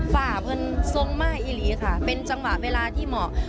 ฝ่าเพลินทรงม่ายอิลีค่ะเป็นจังหวะเวลาที่เหมาะ